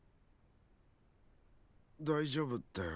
大丈夫だよ。